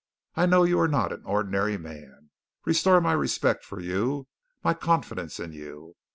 I know you are not an ordinary man. Restore my respect for you, my confidence in you.